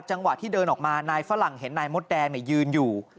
จังหวะที่เดินออกมานายฝรั่งเห็นนายมดแดงยืนอยู่